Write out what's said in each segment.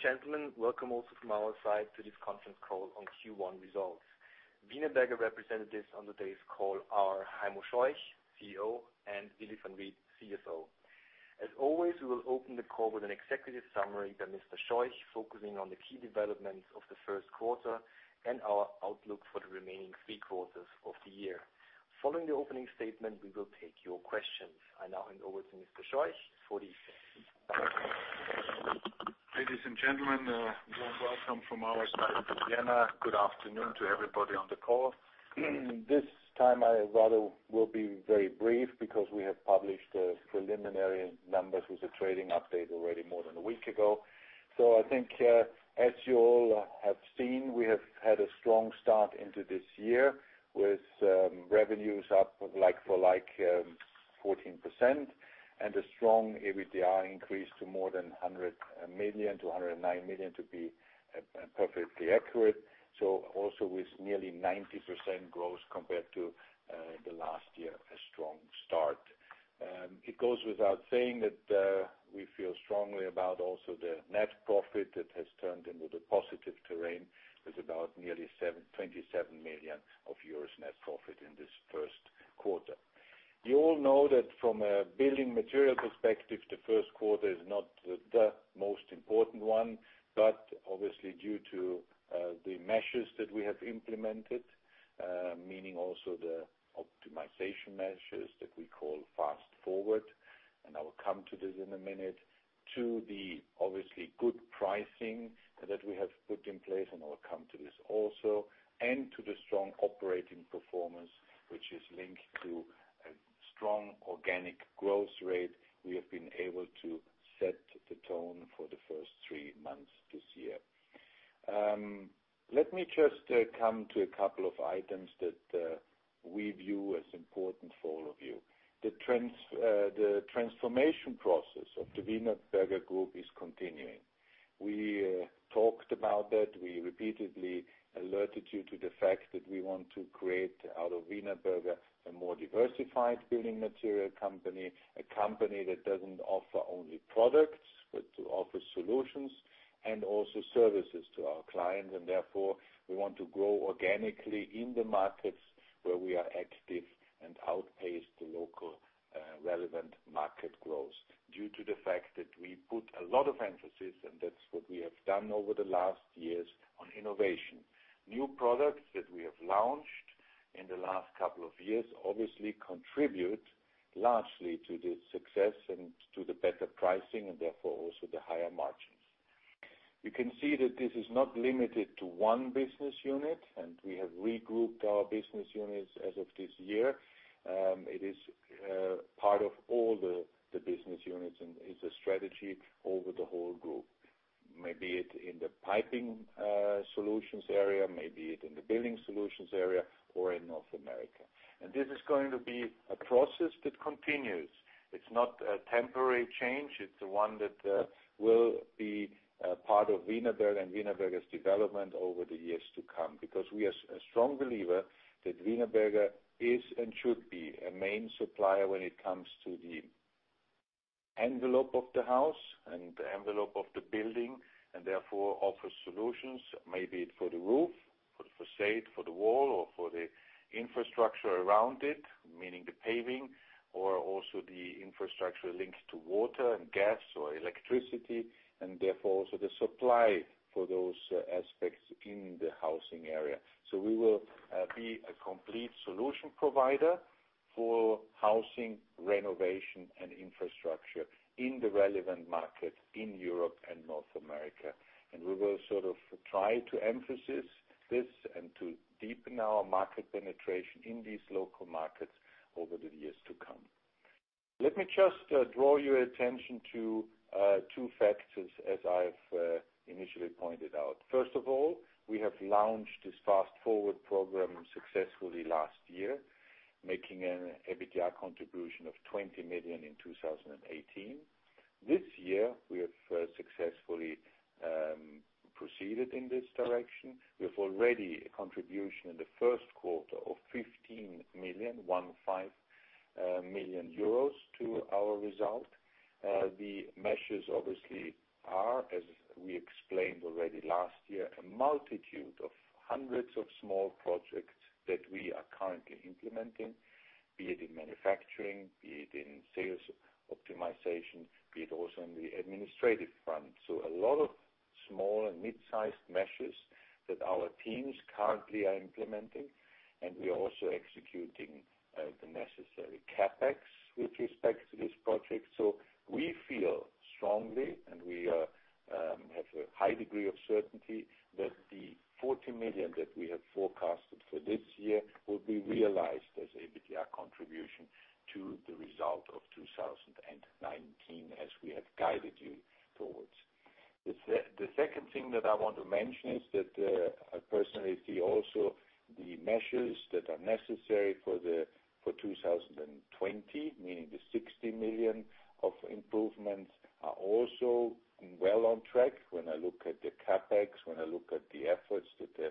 Ladies and gentlemen, welcome also from our side to this conference call on Q1 results. Wienerberger representatives on today's call are Heimo Scheuch, CEO, and Willy Van Riet, CFO. As always, we will open the call with an executive summary by Mr. Scheuch, focusing on the key developments of the first quarter and our outlook for the remaining three quarters of the year. Following the opening statement, we will take your questions. I now hand over to Mr. Scheuch for the opening statement. Ladies and gentlemen, warm welcome from our side of Vienna. Good afternoon to everybody on the call. This time I rather will be very brief because we have published the preliminary numbers with the trading update already more than a week ago. I think, as you all have seen, we have had a strong start into this year with revenues up like for like 14% and a strong EBITDA increase to more than 100 million, to 109 million to be perfectly accurate. Also with nearly 90% growth compared to the last year, a strong start. It goes without saying that we feel strongly about also the net profit that has turned into the positive terrain, is about nearly 27 million euros net profit in this first quarter. You all know that from a building material perspective, the first quarter is not the most important one, but obviously due to the measures that we have implemented, meaning also the optimization measures that we call Fast Forward, and I will come to this in a minute, to the obviously good pricing that we have put in place, and I will come to this also, and to the strong operating performance, which is linked to a strong organic growth rate, we have been able to set the tone for the first three months this year. Let me just come to a couple of items that we view as important for all of you. The transformation process of the Wienerberger Group is continuing. We talked about that. We repeatedly alerted you to the fact that we want to create out of Wienerberger a more diversified building material company, a company that doesn't offer only products, but to offer solutions and also services to our clients. Therefore, we want to grow organically in the markets where we are active and outpace the local relevant market growth due to the fact that we put a lot of emphasis, and that's what we have done over the last years on innovation. New products that we have launched in the last couple of years obviously contribute largely to the success and to the better pricing, and therefore also the higher margins. You can see that this is not limited to one business unit, and we have regrouped our business units as of this year. It is part of all the business units and is a strategy over the whole group. May it be in the piping solutions area, may it be in the building solutions area, or in North America. This is going to be a process that continues. It's not a temporary change. It's one that will be part of Wienerberger and Wienerberger's development over the years to come, because we are a strong believer that Wienerberger is and should be a main supplier when it comes to the envelope of the house and the envelope of the building, and therefore offers solutions, may it be for the roof, for the facade, for the wall, or for the infrastructure around it, meaning the paving or also the infrastructure linked to water and gas or electricity, and therefore also the supply for those aspects in the housing area. We will be a complete solution provider for housing, renovation, and infrastructure in the relevant market in Europe and North America. We will try to emphasize this and to deepen our market penetration in these local markets over the years to come. Let me just draw your attention to two factors as I've initially pointed out. First of all, we have launched this Fast Forward program successfully last year, making an EBITDA contribution of 20 million in 2018. This year, we have successfully proceeded in this direction. We have already a contribution in the first quarter of 15 million, 15 million euros to our result. The measures obviously are, as we explained already last year, a multitude of hundreds of small projects that we are currently implementing, be it in manufacturing, be it in sales optimization, be it also on the administrative front. A lot of small and mid-sized measures that our teams currently are implementing, and we are also executing the necessary CapEx with respect to this project. We feel strongly, and we have a high degree of certainty that the 40 million that we have forecasted for this year will be realized as EBITDA contribution to the result of 2019 as we have guided you towards. The second thing that I want to mention is that I personally see also the measures that are necessary for 2020, meaning the 60 million of improvements are also well on track. The CapEx, when I look at the efforts that the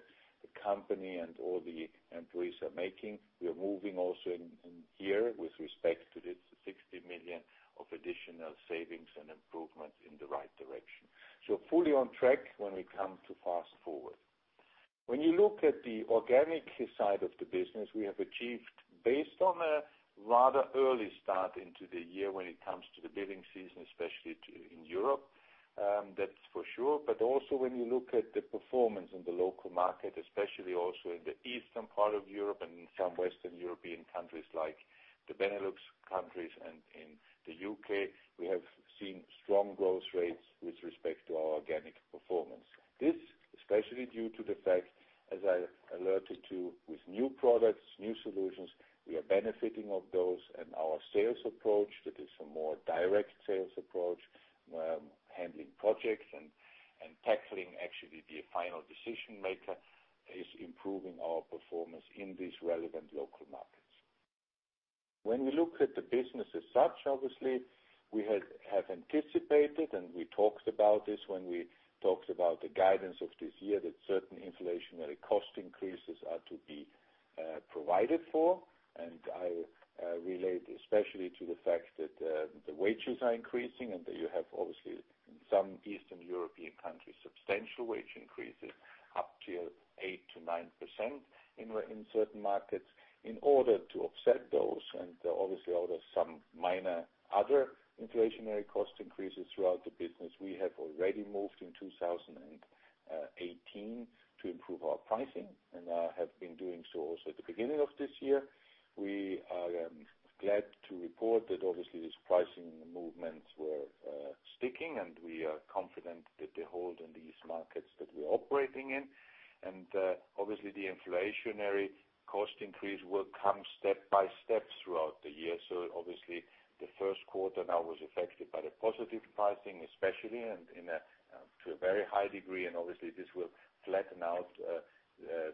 company and all the employees are making, we are moving also in here with respect to this 60 million of additional savings and improvements in the right direction. Fully on track when we come to Fast Forward. When you look at the organic side of the business, we have achieved based on a rather early start into the year when it comes to the bidding season, especially in Europe, that's for sure. When you look at the performance in the local market, especially also in the eastern part of Europe and in some Western European countries like the Benelux countries and in the U.K., we have seen strong growth rates with respect to our organic performance. This especially due to the fact, as I alerted to, with new products, new solutions, we are benefiting of those and our sales approach. That is a more direct sales approach, handling projects and tackling actually the final decision maker is improving our performance in these relevant local markets. When we look at the business as such, obviously we have anticipated and we talked about this when we talked about the guidance of this year, that certain inflationary cost increases are to be provided for. I relate especially to the fact that the wages are increasing and that you have, obviously, in some Eastern European countries, substantial wage increases up to 8%-9% in certain markets. In order to offset those and obviously order some minor other inflationary cost increases throughout the business, we have already moved in 2018 to improve our pricing and have been doing so also at the beginning of this year. We are glad to report that obviously these pricing movements were sticking, and we are confident that they hold in these markets that we're operating in. Obviously, the inflationary cost increase will come step by step throughout the year. Obviously the first quarter now was affected by the positive pricing especially, and to a very high degree, and obviously this will flatten out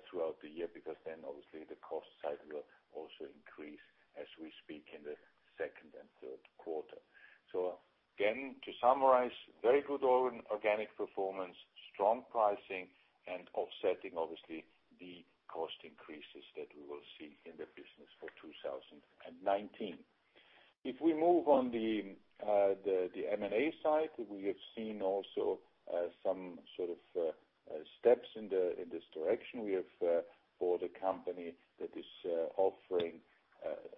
throughout the year because then obviously the cost side will also increase as we speak in the second and third quarter. Again, to summarize, very good organic performance, strong pricing and offsetting obviously the cost increases that we will see in the business for 2019. If we move on the M&A side, we have seen also some sort of steps in this direction. We have bought a company that is offering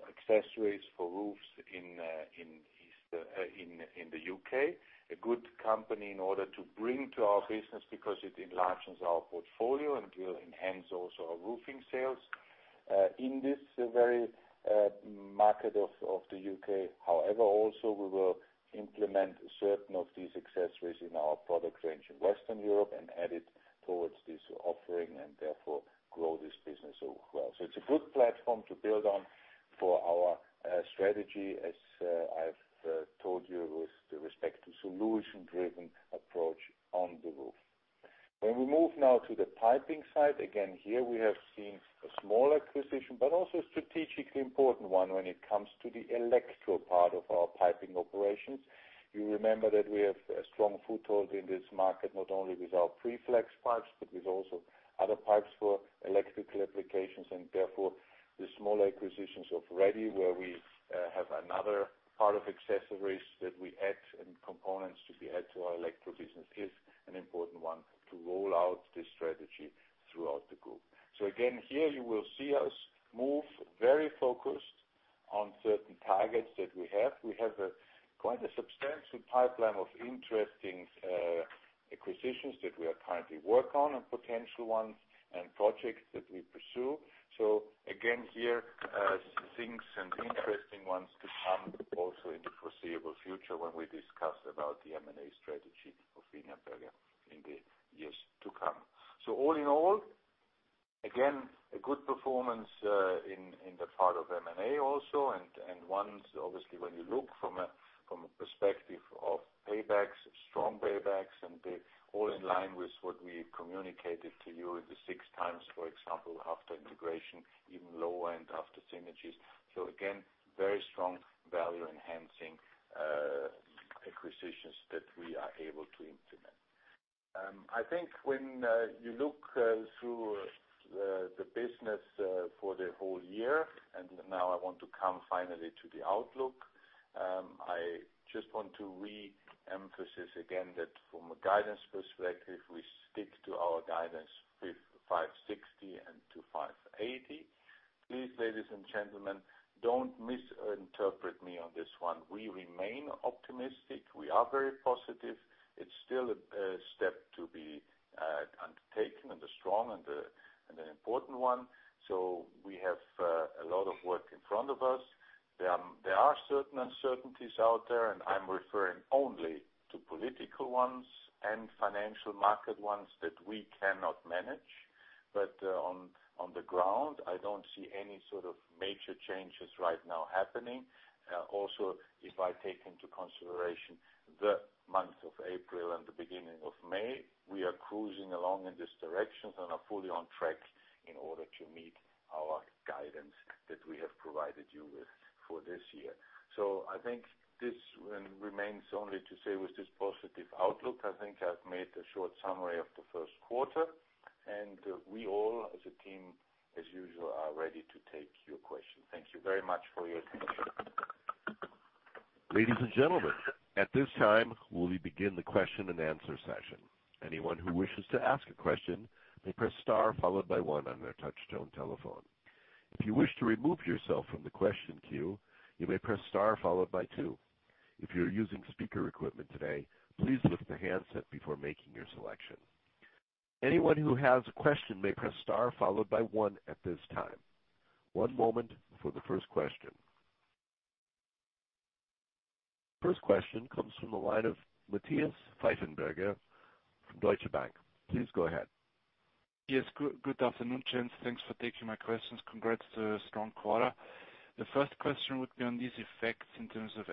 accessories for roofs in the U.K. A good company in order to bring to our business because it enlarges our portfolio and will enhance also our roofing sales in this very market of the U.K. However, also we will implement certain of these accessories in our product range in Western Europe and add it towards this offering and therefore grow this business as well. It's a good platform to build on for our strategy, as I've told you, with respect to solution-driven approach on the roof. When we move now to the piping side, again, here we have seen a small acquisition, but also a strategically important one when it comes to the electrical part of our piping operations. You remember that we have a strong foothold in this market, not only with our Flex pipes, but with also other pipes for electrical applications, and therefore the small acquisitions of Reddy S.A., where we have another part of accessories that we add and components to be add to our electro business is an important one to roll out this strategy throughout the group. Again, here you will see us move very focused on certain targets that we have. We have quite a substantial pipeline of interesting acquisitions that we are currently work on and potential ones and projects that we pursue. Again, here things and interesting ones to come also in the foreseeable future when we discuss about the M&A strategy of Wienerberger in the years to come. All in all, again, a good performance in the part of M&A also, and ones, obviously, when you look from a perspective of paybacks, strong paybacks, and they're all in line with what we communicated to you, the 6 times, for example, after integration, even lower end after synergies. Again, very strong value-enhancing acquisitions that we are able to implement. I think when you look through the business for the whole year, now I want to come finally to the outlook. I just want to re-emphasize again that from a guidance perspective, we stick to our guidance with 560 million to 580 million. Please, ladies and gentlemen, don't misinterpret me on this one. We remain optimistic. We are very positive. It is still a step to be undertaken and a strong and an important one. We have a lot of work in front of us. There are certain uncertainties out there. I am referring only to political ones and financial market ones that we cannot manage. On the ground, I don't see any sort of major changes right now happening. If I take into consideration the month of April and the beginning of May, we are cruising along in this direction and are fully on track in order to meet our guidance that we have provided you with for this year. I think this remains only to say with this positive outlook, I think I have made a short summary of the first quarter. We all as a team, as usual, are ready to take your questions. Thank you very much for your attention. Ladies and gentlemen, at this time, we will begin the question and answer session. Anyone who wishes to ask a question may press star followed by one on their touch-tone telephone. If you wish to remove yourself from the question queue, you may press star followed by two. If you are using speaker equipment today, please lift the handset before making your selection. Anyone who has a question may press star followed by one at this time. One moment for the first question. First question comes from the line of Matthias Pfeiffenberger from Deutsche Bank. Please go ahead. Yes. Good afternoon, gents. Thanks for taking my questions. Congrats to a strong quarter. The first question would be on these effects in terms of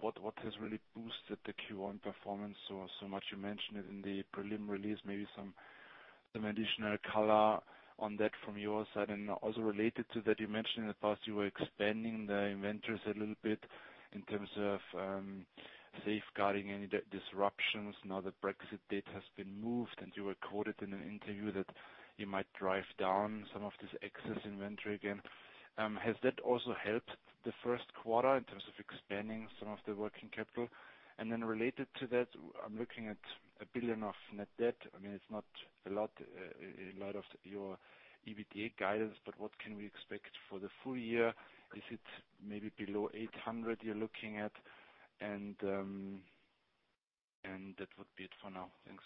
what has really boosted the Q1 performance so much. You mentioned it in the preliminary release, maybe some additional color on that from your side. Related to that, you mentioned in the past you were expanding the inventories a little bit in terms of safeguarding any disruptions. Now that Brexit date has been moved, you were quoted in an interview that you might drive down some of this excess inventory again. Has that also helped the first quarter in terms of expanding some of the working capital? Related to that, I am looking at 1 billion of net debt. It is not a lot of your EBITDA guidance. What can we expect for the full year? Is it maybe below 800 you're looking at? That would be it for now. Thanks.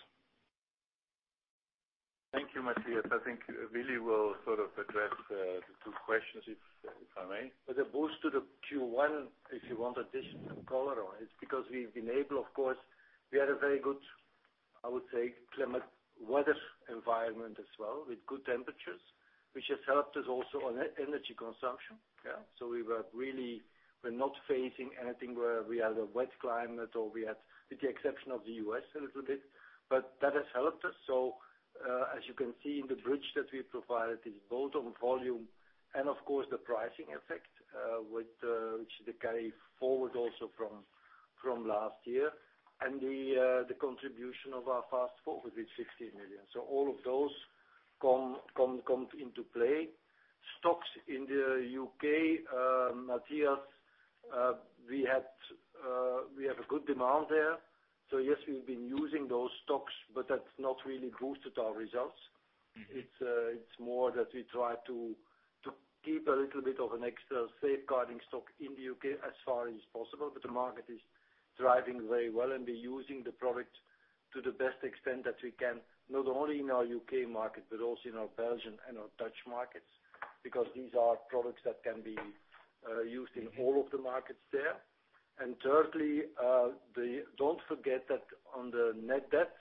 Thank you, Matthias. I think Willy will sort of address the two questions, if I may. For the boost to the Q1, if you want additional color on it's because we had a very good, I would say climate weather environment as well, with good temperatures, which has helped us also on energy consumption. We're not facing anything where we had a wet climate with the exception of the U.S. a little bit, but that has helped us. As you can see in the bridge that we provided, it is both on volume and of course the pricing effect, which they carry forward also from last year. The contribution of our Fast Forward 2020, with 16 million. All of those come into play. Stocks in the U.K., Matthias, we have a good demand there. Yes, we've been using those stocks, but that's not really boosted our results. It's more that we try to keep a little bit of an extra safeguarding stock in the U.K. as far as possible, the market is thriving very well, and we're using the product to the best extent that we can, not only in our U.K. market, but also in our Belgian and our Dutch markets, because these are products that can be used in all of the markets there. Thirdly, don't forget that on the net debt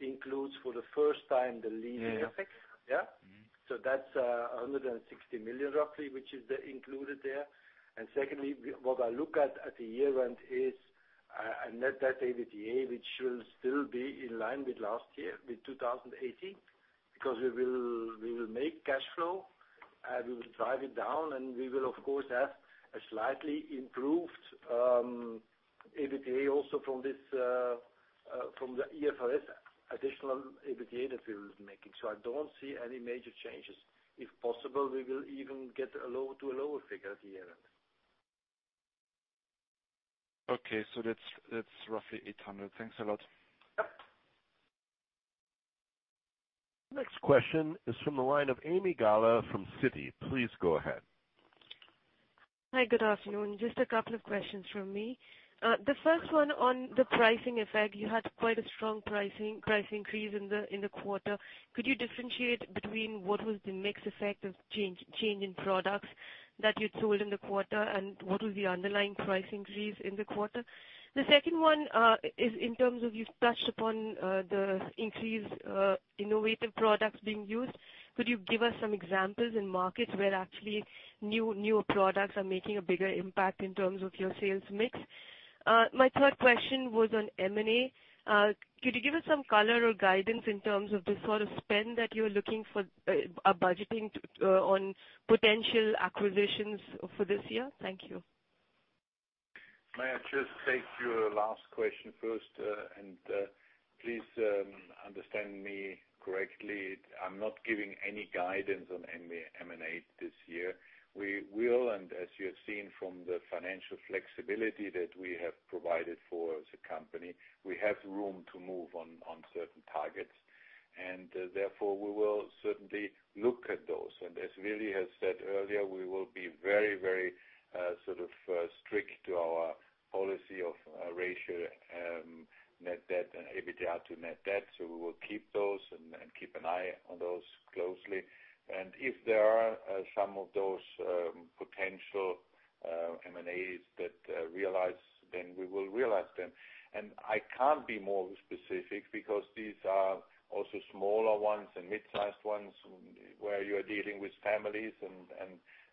includes for the first time the leasing effect. That's 160 million roughly, which is included there. Secondly, what I look at the year-end is a net debt EBITDA, which will still be in line with last year, with 2018, because we will make cash flow, and we will drive it down, and we will of course have a slightly improved EBITDA also from the IFRS additional EBITDA that we will be making. I don't see any major changes. If possible, we will even get to a lower figure at the year-end. That's roughly 800. Thanks a lot. Yep. Next question is from the line of Ami Galla from Citi. Please go ahead. Hi, good afternoon. A couple of questions from me. The first one on the pricing effect, you had quite a strong price increase in the quarter. Could you differentiate between what was the mix effect of change in products that you'd sold in the quarter and what was the underlying price increase in the quarter? The second one is in terms of you've touched upon the increased innovative products being used. Could you give us some examples in markets where actually newer products are making a bigger impact in terms of your sales mix? My third question was on M&A. Could you give us some color or guidance in terms of the sort of spend that you're looking for, or budgeting on potential acquisitions for this year? Thank you. May I just take your last question first. Please understand me correctly. I'm not giving any guidance on M&A this year. We will, as you have seen from the financial flexibility that we have provided for the company, we have room to move on certain targets, therefore we will certainly look at those. As Willy has said earlier, we will be very strict to our policy of ratio, EBITDA to net debt. We will keep those and keep an eye on those closely. If there are some of those potential M&As that realize, then we will realize them. I can't be more specific because these are also smaller ones and mid-sized ones, where you're dealing with families and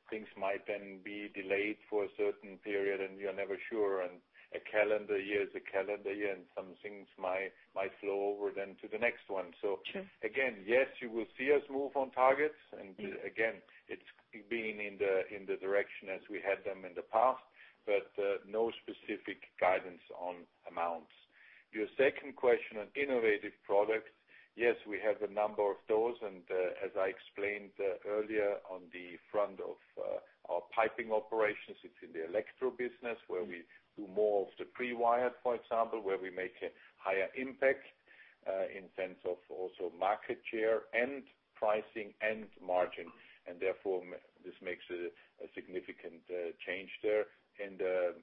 things might then be delayed for a certain period and you're never sure. A calendar year is a calendar year, some things might flow over then to the next one. Again, yes, you will see us move on targets. Again, it's been in the direction as we had them in the past, but no specific guidance on amounts. Your second question on innovative products. Yes, we have a number of those, as I explained earlier on the front of our piping solutions, it's in the electro business where we do more of the pre-wire, for example, where we make a higher impact in terms of also market share and pricing and margin. Therefore, this makes a significant change there. In the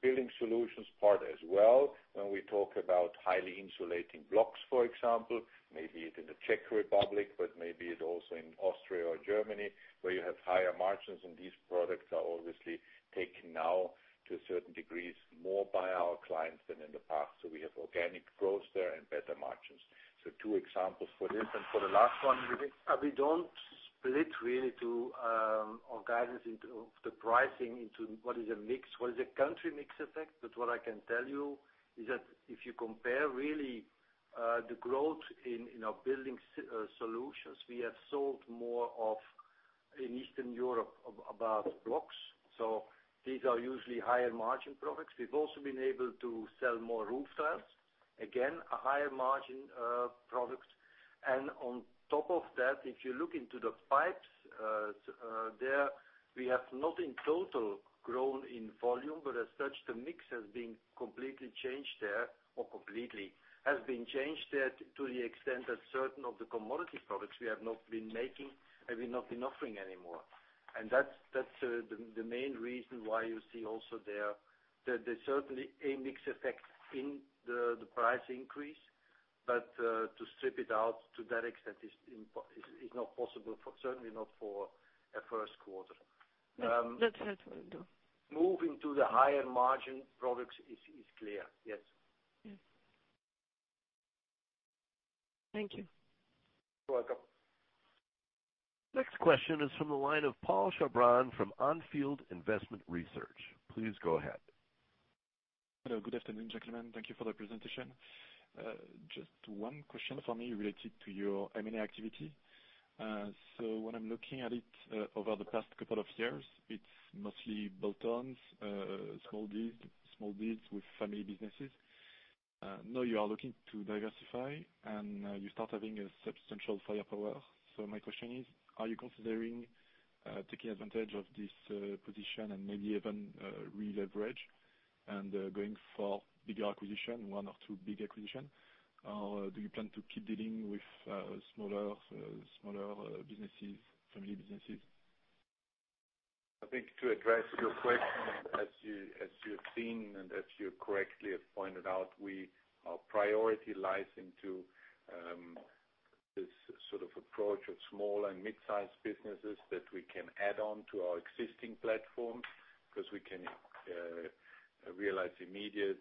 building solutions part as well, when we talk about highly insulating blocks, for example, maybe it's in the Czech Republic, but maybe it's also in Austria or Germany where you have higher margins, these products are obviously taken now to certain degrees more by our clients than in the past. We have organic growth there and better margins. Two examples for this and for the last one, we don't split really to our guidance into the pricing into what is a mix, what is a country mix effect. What I can tell you is that if you compare really the growth in our building solutions, we have sold more of, in Eastern Europe, clay blocks. These are usually higher margin products. We've also been able to sell more roof tiles. Again, a higher margin product. On top of that, if you look into the pipes, there we have not in total grown in volume, but as such, the mix has been changed there to the extent that certain of the commodity products we have not been making, have not been offering anymore. That's the main reason why you see also there, that there's certainly a mix effect in the price increase. To strip it out to that extent is not possible, certainly not for a first quarter. That's what we'll do. Moving to the higher margin products is clear. Yes. Yes. Thank you. You're welcome. Next question is from the line of Paul Chabran from Onfield Investment Research. Please go ahead. Hello. Good afternoon, gentlemen. Thank you for the presentation. Just one question for me related to your M&A activity. When I'm looking at it over the past couple of years, it's mostly bolt-ons, small deals with family businesses. You are looking to diversify, you start having a substantial firepower. My question is, are you considering taking advantage of this position and maybe even releverage and going for bigger acquisition, one or two big acquisition? Or do you plan to keep dealing with smaller businesses, family businesses? I think to address your question, as you've seen and as you correctly have pointed out, our priority lies into this sort of approach of small and mid-size businesses that we can add on to our existing platform because we can realize immediate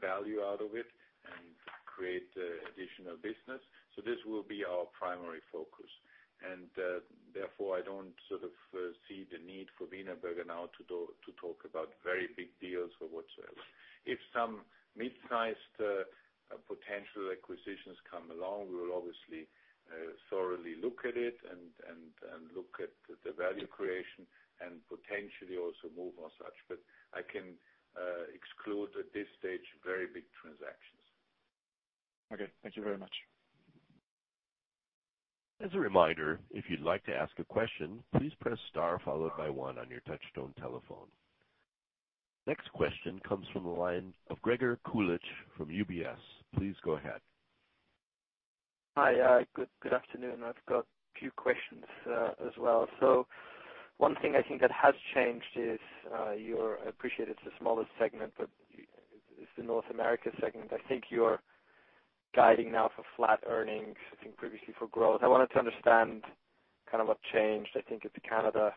value out of it and create additional business. This will be our primary focus. Therefore, I don't sort of see the need for Wienerberger now to talk about very big deals or whatsoever. If some mid-sized potential acquisitions come along, we will obviously thoroughly look at it and look at the value creation and potentially also move on such. I can exclude at this stage very big transactions. Okay. Thank you very much. As a reminder, if you'd like to ask a question, please press star followed by one on your touchtone telephone. Next question comes from the line of Gregor Kuglitsch from UBS. Please go ahead. Hi. Good afternoon. I've got a few questions as well. One thing I think that has changed is I appreciate it's the smallest segment, but it's the North America segment. I think you're guiding now for flat earnings, I think previously for growth. I wanted to understand what changed. I think it's Canada.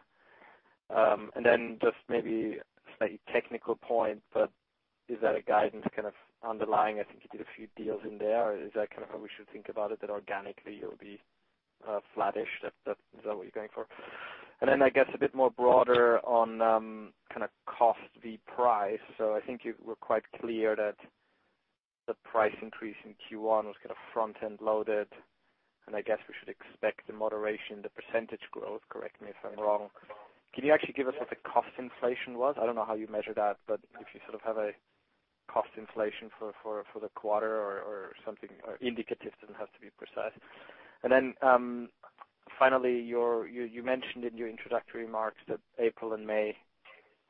Just maybe a slightly technical point, is that a guidance kind of underlying? I think you did a few deals in there. Is that how we should think about it, that organically you'll be flattish? Is that what you're going for? I guess a bit more broader on cost v price. I think you were quite clear that the price increase in Q1 was front-end loaded, and I guess we should expect the moderation, the percentage growth, correct me if I'm wrong. Can you actually give us what the cost inflation was? I don't know how you measure that, but if you sort of have a cost inflation for the quarter or something indicative, doesn't have to be precise. Finally, you mentioned in your introductory remarks that April and May,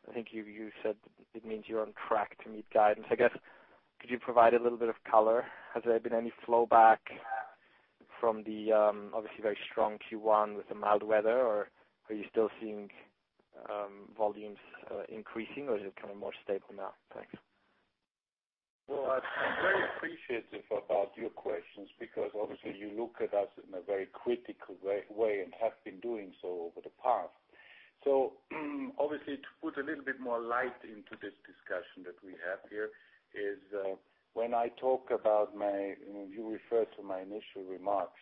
I think you said it means you're on track to meet guidance. Could you provide a little bit of color? Has there been any flow back from the obviously very strong Q1 with the mild weather, or are you still seeing volumes increasing or is it more stable now? Thanks. I'm very appreciative about your questions because obviously you look at us in a very critical way and have been doing so over the past. Obviously, to put a little bit more light into this discussion that we have here is when I talk about You referred to my initial remarks,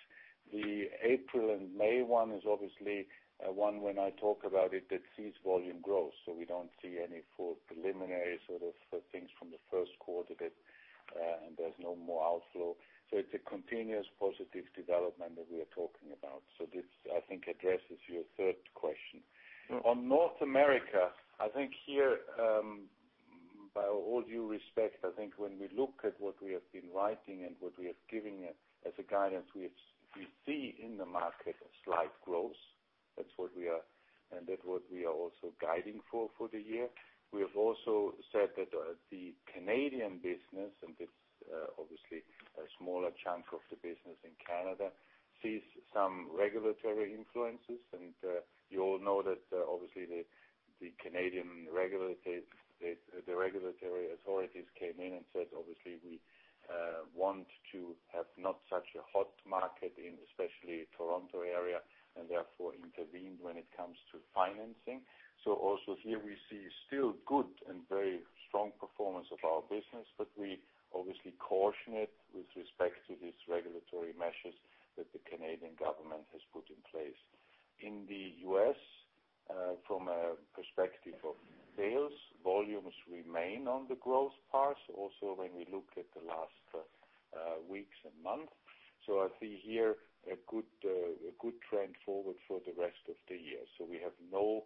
the April and May one is obviously one when I talk about it that sees volume growth. We don't see any full preliminary sort of things from the first quarter that. There's no more outflow, it's a continuous positive development that we are talking about. This, I think, addresses your third question. On North America, I think here, by all due respect, I think when we look at what we have been writing and what we have given as a guidance, we see in the market a slight growth. That's what we are, and that what we are also guiding for the year. We have also said that the Canadian business, and it's obviously a smaller chunk of the business in Canada, sees some regulatory influences. You all know that obviously, the Canadian regulatory authorities came in and said, "Obviously, we want to have not such a hot market in especially Toronto area," and therefore intervened when it comes to financing. Also here we see still good and very strong performance of our business, but we obviously caution it with respect to these regulatory measures that the Canadian government has put in place. In the U.S., from a perspective of sales, volumes remain on the growth path, also when we look at the last weeks and months. I see here a good trend forward for the rest of the year. We have no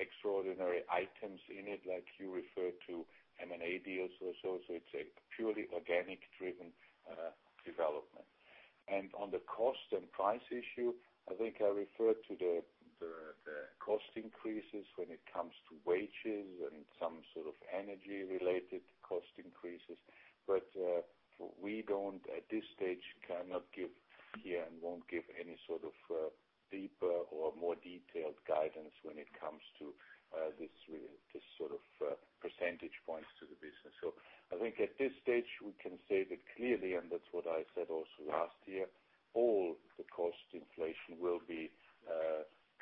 extraordinary items in it like you referred to M&A deals or so. It's a purely organic driven development. On the cost and price issue, I think I referred to the cost increases when it comes to wages and some sort of energy-related cost increases. We, at this stage, cannot give here and won't give any sort of deeper or more detailed guidance when it comes to this sort of percentage points to the business. I think at this stage we can say that clearly, and that's what I said also last year, all the cost inflation will be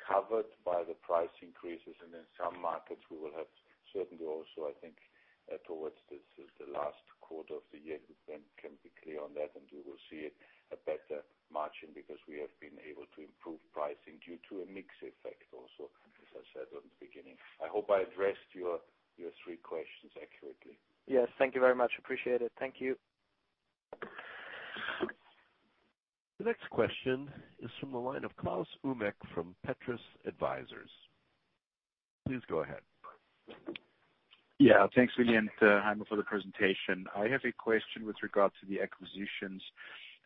covered by the price increases. In some markets we will have certainly also, I think, towards the last quarter of the year, we then can be clear on that and we will see a better margin because we have been able to improve pricing due to a mix effect also, as I said at the beginning. I hope I addressed your three questions accurately. Yes, thank you very much. Appreciate it. Thank you. The next question is from the line of Klaus Umek from Petrus Advisors. Please go ahead. Thanks again, Heimo, for the presentation. I have a question with regard to the acquisitions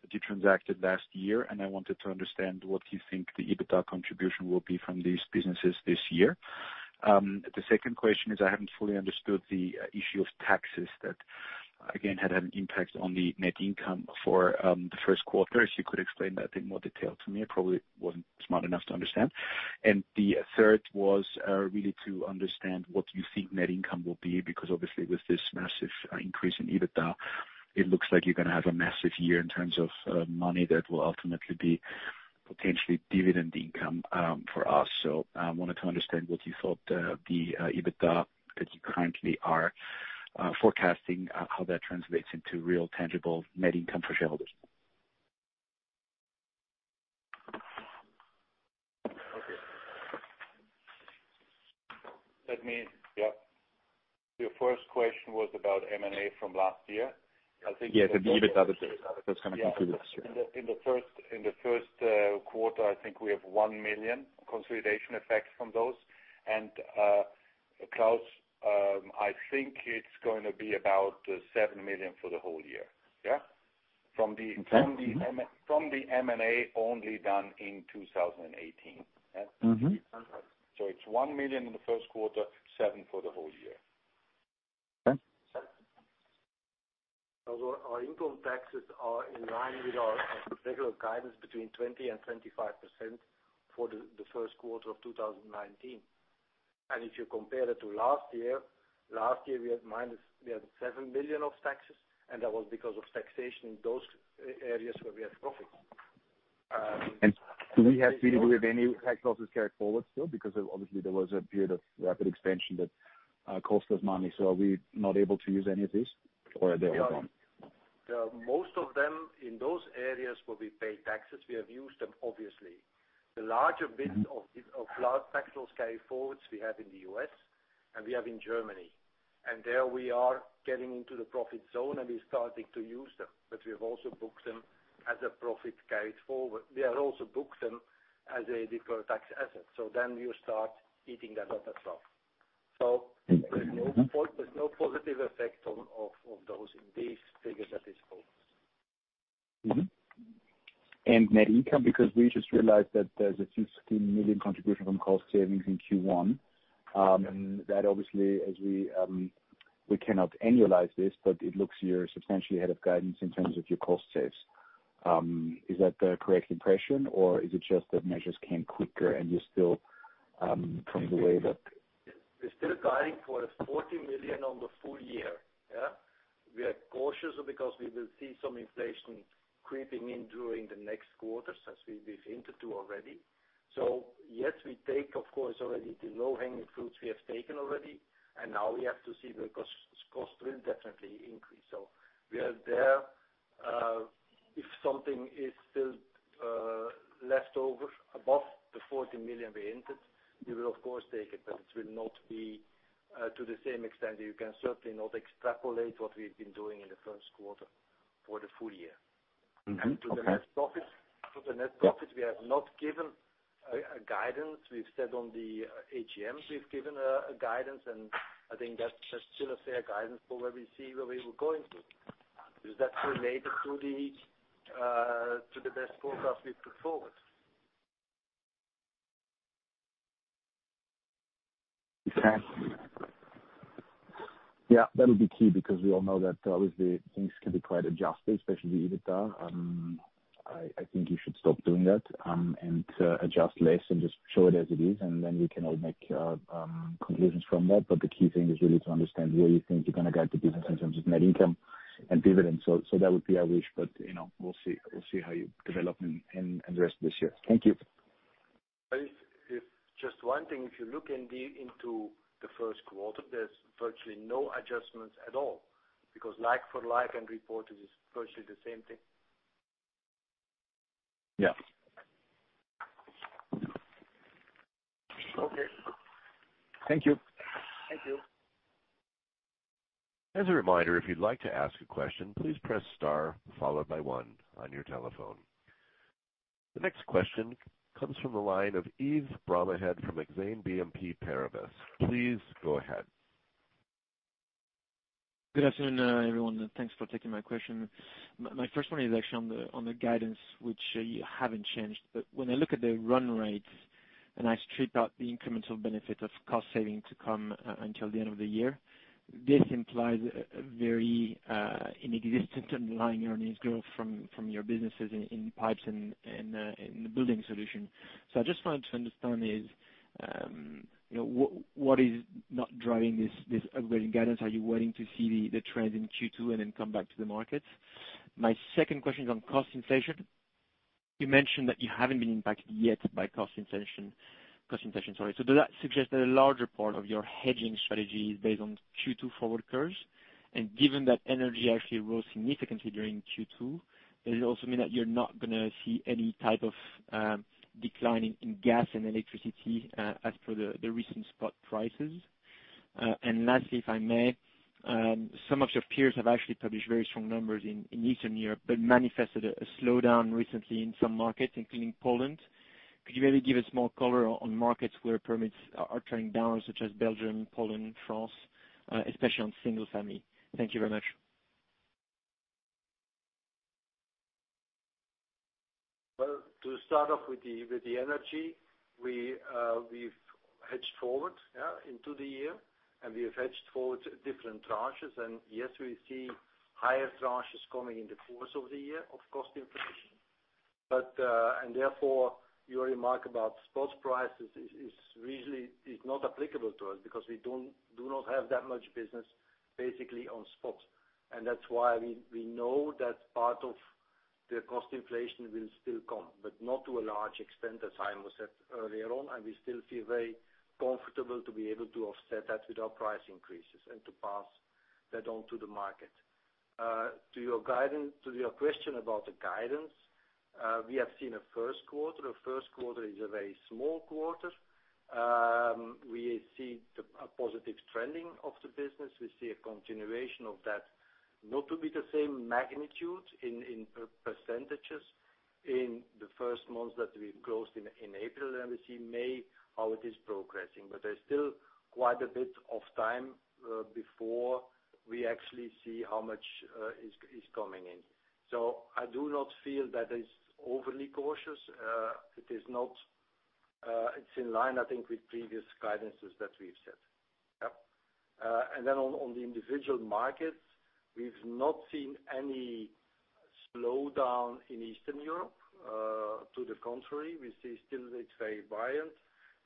that you transacted last year, and I wanted to understand what you think the EBITDA contribution will be from these businesses this year. The second question is, I haven't fully understood the issue of taxes that again, had an impact on the net income for the first quarter. If you could explain that in more detail to me. I probably wasn't smart enough to understand. The third was really to understand what you think net income will be, because obviously with this massive increase in EBITDA, it looks like you're going to have a massive year in terms of money that will ultimately be potentially dividend income for us. I wanted to understand what you thought the EBITDA that you currently are forecasting, how that translates into real tangible net income for shareholders. Okay. Yep. Your first question was about M&A from last year? I think Yes, the EBITDA that's going to contribute this year. In the first quarter, I think we have 1 million consolidation effect from those. Klaus, I think it's going to be about 7 million for the whole year, yeah? Okay. Mm-hmm. From the M&A only done in 2018. Yeah? It's 1 million in the first quarter, 7 for the whole year. Okay. Our income taxes are in line with our regular guidance between 20% and 25% for the first quarter of 2019. If you compare that to last year, last year we had 7 million of taxes, and that was because of taxation in those areas where we had profits. Do we have really any tax losses carried forward still? Because obviously there was a period of rapid expansion that cost us money. Are we not able to use any of this or they are gone? Most of them in those areas where we pay taxes, we have used them obviously. The larger bits of tax loss carry forwards we have in the U.S. and we have in Germany. There we are getting into the profit zone and we're starting to use them. We have also booked them as a profit carried forward. We have also booked them as a deferred tax asset. You start eating that up as well. There's no positive effect of those in these figures at this point. Net income, because we just realized that there's a 16 million contribution from cost savings in Q1. That obviously as we cannot annualize this, it looks you're substantially ahead of guidance in terms of your cost saves. Is that the correct impression or is it just that measures came quicker and you're still from the way that- We're still guiding for a 40 million on the full year. Yeah? We are cautious because we will see some inflation creeping in during the next quarter since we've hinted to already. Yes, we take, of course, already the low-hanging fruits we have taken already, now we have to see the cost will definitely increase. We are there. If something is still left over above the 40 million we entered, we will of course take it will not be to the same extent. You can certainly not extrapolate what we've been doing in the first quarter for the full year. Mm-hmm. Okay. To the net profit, we have not given a guidance. We've said on the AGMs, we've given a guidance, and I think that's still a fair guidance for where we see where we were going to. Is that related to the best forecast we've put forward? Yeah. That'll be key because we all know that obviously things can be quite adjusted, especially the EBITDA. I think you should stop doing that and adjust less and just show it as it is, and then we can all make conclusions from that. The key thing is really to understand where you think you're going to guide the business in terms of net income and dividends. That would be our wish, but we'll see how you develop in the rest of this year. Thank you. If just one thing, if you look indeed into the first quarter, there's virtually no adjustments at all because like for like and reported is virtually the same thing. Yeah. Okay. Thank you. Thank you. As a reminder, if you'd like to ask a question, please press star followed by one on your telephone. The next question comes from the line of Yves Bromehead from Exane BNP Paribas. Please go ahead. Good afternoon, everyone. Thanks for taking my question. My first one is actually on the guidance, which you haven't changed. When I look at the run rates and I strip out the incremental benefit of cost saving to come until the end of the year, this implies a very inexistent underlying earnings growth from your businesses in pipes and in the building solutions. I just wanted to understand is, what is not driving this ongoing guidance? Are you waiting to see the trend in Q2 and then come back to the market? My second question is on cost inflation. You mentioned that you haven't been impacted yet by cost inflation. Does that suggest that a larger part of your hedging strategy is based on Q2 forward curves? Given that energy actually rose significantly during Q2, does it also mean that you're not going to see any type of decline in gas and electricity as per the recent spot prices? Lastly, if I may, some of your peers have actually published very strong numbers in Eastern Europe, but manifested a slowdown recently in some markets, including Poland. Could you maybe give us more color on markets where permits are turning down, such as Belgium, Poland, France, especially on single family? Thank you very much. Well, to start off with the energy, we've hedged forward into the year, and we have hedged forward different tranches. Yes, we see higher tranches coming in the course of the year of cost inflation. Therefore, your remark about spot prices is not applicable to us because we do not have that much business basically on spots. That's why we know that part of the cost inflation will still come, but not to a large extent, as I almost said earlier on, and we still feel very comfortable to be able to offset that with our price increases and to pass that on to the market. To your question about the guidance, we have seen a first quarter. A first quarter is a very small quarter. We see a positive trending of the business. We see a continuation of that, not to be the same magnitude in percentages in the first months that we've closed in April, and we see May, how it is progressing. There's still quite a bit of time, before we actually see how much is coming in. I do not feel that it's overly cautious. It's in line, I think, with previous guidances that we've set. Yep. On the individual markets, we've not seen any slowdown in Eastern Europe. To the contrary, we see still it's very buoyant.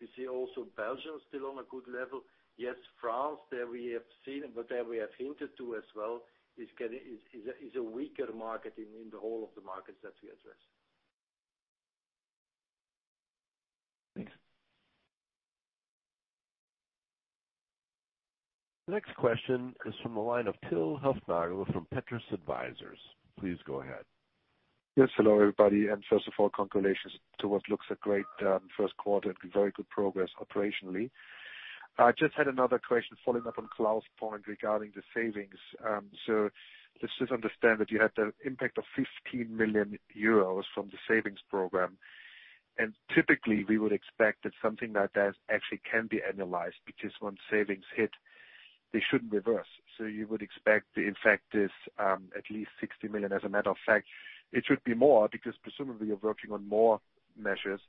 We see also Belgium still on a good level. Yes, France, there we have seen, but there we have hinted to as well, is a weaker market in the whole of the markets that we address. Thanks. The next question is from the line of Till Hufnagel from Petrus Advisers. Please go ahead. Hello, everybody. First of all, congratulations to what looks a great first quarter and very good progress operationally. I just had another question following up on Klaus' point regarding the savings. Let's just understand that you had the impact of 15 million euros from the savings program. Typically, we would expect that something like that actually can be annualized, because once savings hit, they shouldn't reverse. You would expect to impact this at least 60 million. As a matter of fact, it should be more because presumably you are working on more measures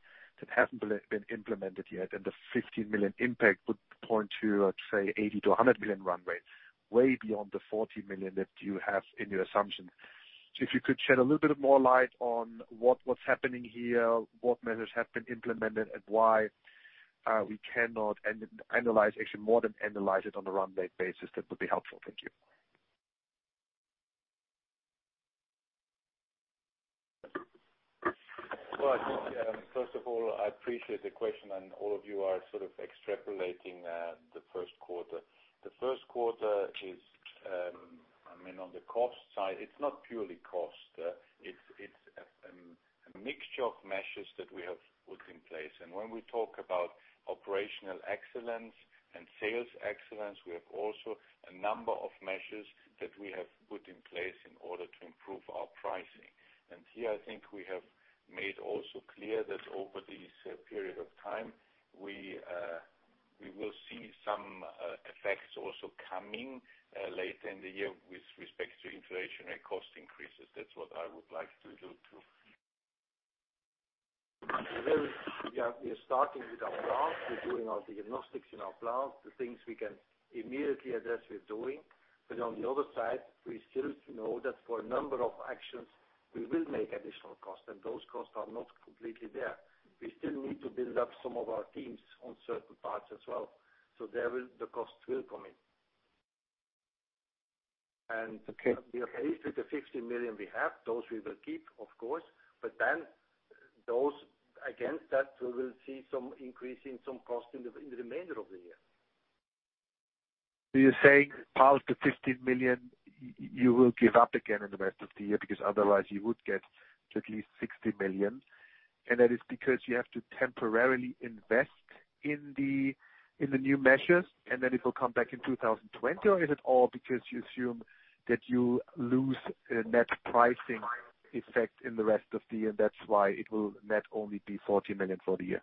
that haven't been implemented yet, and the 15 million impact would point to, let's say, 80 million to 100 million run rates, way beyond the 40 million that you have in your assumption. If you could shed a little bit more light on what was happening here, what measures have been implemented, and why we cannot annualize, actually more than annualize it on a run rate basis, that would be helpful. Thank you. First of all, I appreciate the question and all of you are extrapolating the first quarter. The first quarter is, on the cost side, it is not purely cost. It is a mixture of measures that we have put in place. When we talk about operational excellence and sales excellence, we have also a number of measures that we have put in place in order to improve our pricing. Here, I think we have made also clear that over this period of time, we will see some effects also coming later in the year with respect to inflationary cost increases. That is what I would like to do, too. We are starting with our plants. We are doing our diagnostics in our plants. The things we can immediately address, we are doing. On the other side, we still know that for a number of actions, we will make additional costs, and those costs are not completely there. We still need to build up some of our teams on certain parts as well. There, the costs will come in. Okay. Based with the 15 million we have, those we will keep, of course. Those against that, we will see some increase in some costs in the remainder of the year. You're saying part of the 15 million, you will give up again in the rest of the year because otherwise you would get at least 60 million. That is because you have to temporarily invest in the new measures, and then it will come back in 2020, or is it all because you assume that you lose a net pricing effect in the rest of the year, that's why it will net only be 40 million for the year?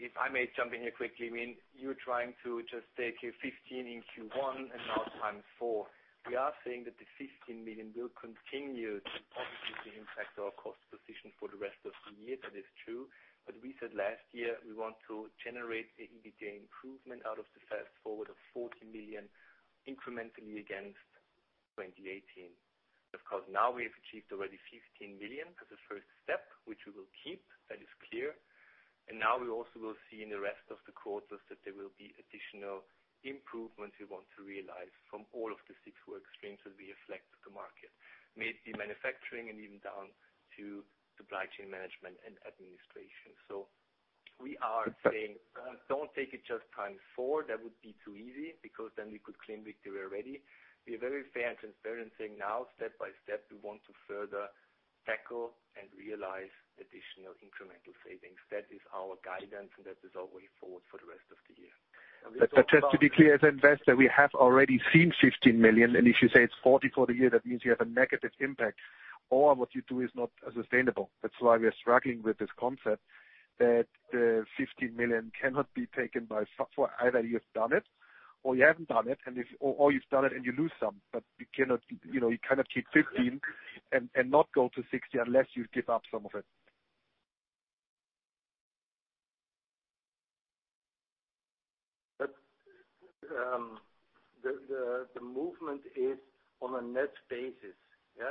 If I may jump in here quickly, you're trying to just take your 15 in Q1 and now times 4. We are saying that the 15 million will continue to positively impact our cost position for the rest of the year, that is true. We said last year, we want to generate the EBITDA improvement out of the Fast Forward of 40 million incrementally against 2018. Of course, now we have achieved already 15 million as a first step, which we will keep, that is clear. Now we also will see in the rest of the quarters that there will be additional improvements we want to realize from all of the six work streams that we reflect to the market, may it be manufacturing and even down to supply chain management and administration. We are saying, don't take it just times 4. That would be too easy because then we could claim victory already. We are very fair and transparent, saying now, step by step, we want to further tackle and realize additional incremental savings. That is our guidance and that is our way forward for the rest of the year. Just to be clear, as an investor, we have already seen 15 million. If you say it's 40 for the year, that means you have a negative impact or what you do is not sustainable. That's why we are struggling with this concept that the 15 million cannot be taken. Either you have done it or you haven't done it, or you've done it and you lose some, but you cannot keep 15 and not go to 60, unless you give up some of it. The movement is on a net basis.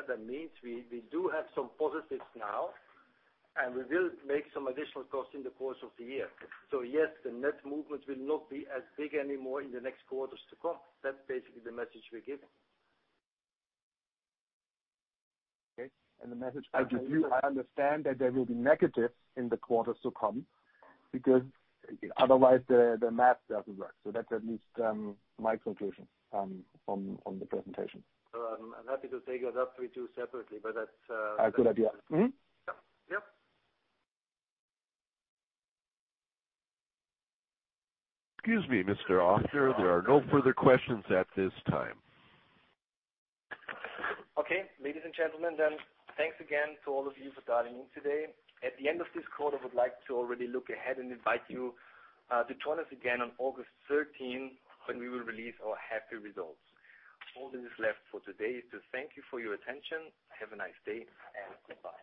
That means we do have some positives now, and we will make some additional costs in the course of the year. Yes, the net movement will not be as big anymore in the next quarters to come. That's basically the message we're giving. Okay. The message I give you, I understand that there will be negatives in the quarters to come because otherwise the math doesn't work. That's at least my conclusion from the presentation. I'm happy to take it up with you separately, but that's. Good idea. Mm-hmm. Yep. Excuse me, Mr. Scheuch. There are no further questions at this time. Okay. Ladies and gentlemen, thanks again to all of you for dialing in today. At the end of this call, I would like to already look ahead and invite you to join us again on August 13, when we will release our half-year results. All that is left for today is to thank you for your attention. Have a nice day, and goodbye